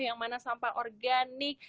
yang mana sampah organik